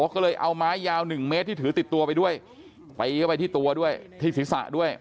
ก็เลยเอาไม้ยาว๑เมตรที่ถือติดตัวไปด้วยตีเข้าไปที่ตัวด้วยที่ศีรษะด้วย